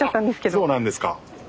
あっそうなんですか。